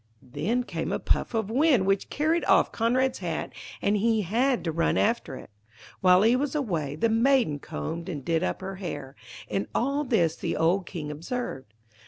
Then came a puff of wind, which carried off Conrad's hat and he had to run after it. While he was away, the maiden combed and did up her hair; and all this the old King observed.